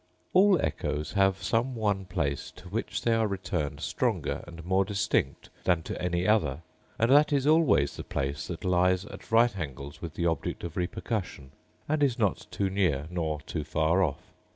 All echoes have some one place to which they are returned stronger and more distinct than to any other; and that is always the place that lies at right angles with the object of repercussion, and is not too near, nor too far off.